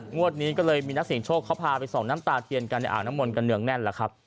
งวดนี้ก็เลยมีนักเสียงโชคเขาพาไปส่องน้ำตาเทียนกันในอ่างน้ำมนต์กันเนืองแน่นแหละครับ